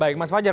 baik mas fajar